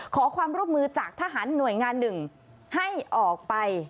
ขอความร่วมมือจากทหารหน่วยงานหนึ่งให้ออกไป